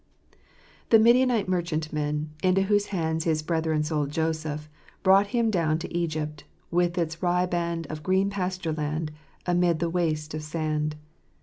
ftl HE Midianite merchantmen, into whose hands his brethren sold Joseph, brought him down to Egypt — with its riband of green pasture land amid the waste of sand.